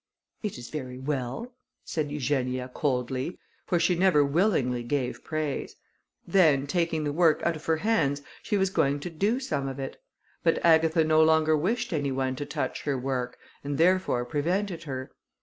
"It is very well," said Eugenia coldly, for she never willingly gave praise; then taking the work out of her hands, she was going to do some of it; but Agatha no longer wished any one to touch her work, and therefore prevented her.